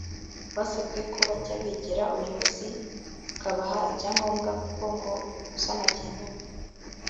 basabwe ko bajya begera ubuyobozi bukabaha ibyangombwa kuko ngo no gusana byemewe